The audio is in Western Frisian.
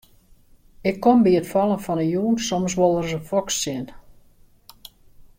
Ik kom by it fallen fan 'e jûn soms wol ris in foks tsjin.